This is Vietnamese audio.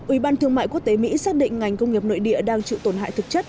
ủy ban thương mại quốc tế mỹ xác định ngành công nghiệp nội địa đang chịu tổn hại thực chất